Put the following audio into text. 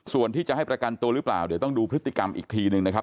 ส่วนที่จะให้ประกันตัวหรือเปล่าเดี๋ยวต้องดูพฤติกรรมอีกทีหนึ่งนะครับ